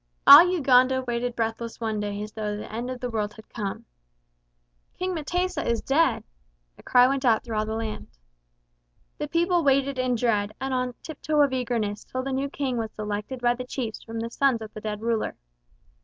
All Uganda waited breathless one day as though the end of the world had come. "King M'tesa is dead!" the cry went out through all the land. The people waited in dread and on tiptoe of eagerness till the new king was selected by the chiefs from the sons of the dead ruler.